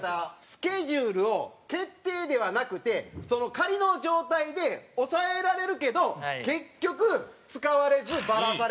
スケジュールを決定ではなくての状態で押さえられるけど結局使われずバラされる。